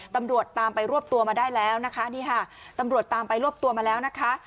ตำรวจตามไปรวบตัวมาได้แล้วนะคะนี่ค่ะตำรวจตามไปรวบตัวมาแล้วนะคะ